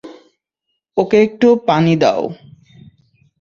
ওকে একটু পানি দাও।